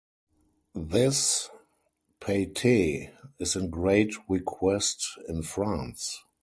This pâté is in great request in France.